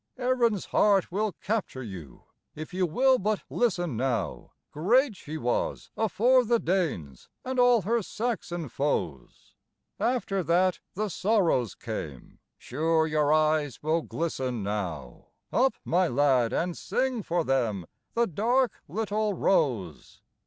Erin's heart will capture you, if you will but listen now, Great she was afore the Danes and all her Saxon foes, After that the sorrows came, sure your eyes will glisten now, Up, my lad, and sing for them "The Dark Little Rose."